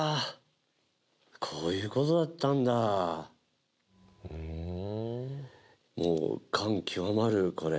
こういうことだったんだふんもう感極まるこれ